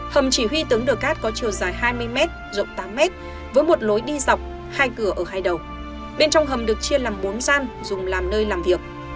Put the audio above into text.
hầm chỉ huy tướng đờ cát có chiều dài hai mươi m rộng tám m với một lối đi dọc hai cửa ở hai đầu bên trong hầm được chia làm bốn gian dùng làm nơi làm việc